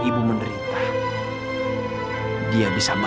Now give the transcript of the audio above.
ibu menderita dia bisa makan